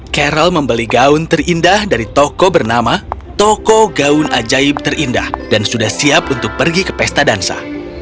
carol membeli gaun terindah dari toko bernama toko gaun ajaib terindah dan sudah siap untuk pergi ke pesta dansa